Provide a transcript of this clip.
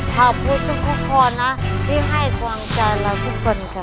ขอบคุณทุกคนนะที่ให้กำลังใจเราทุกคนค่ะ